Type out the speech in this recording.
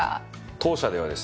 当社ではですね